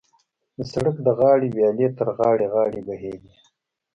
د سړک د غاړې ویالې تر غاړې غاړې بهېدې.